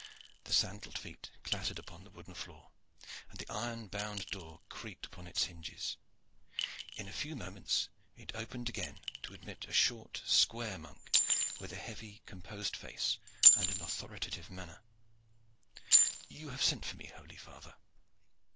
The sandalled feet clattered over the wooden floor, and the iron bound door creaked upon its hinges. In a few moments it opened again to admit a short square monk with a heavy, composed face and an authoritative manner. "You have sent for me, holy father?"